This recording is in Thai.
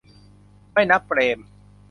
ไม่นับเปรม ?